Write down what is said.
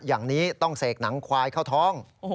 อย่างนี้ต้องเสกหนังควายเข้าท้อง